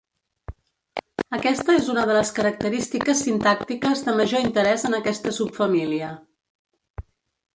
Aquesta és una de les característiques sintàctiques de major interès en aquesta subfamília.